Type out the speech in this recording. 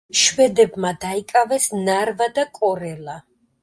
შვედებმა დაიკავეს ნარვა და კორელა.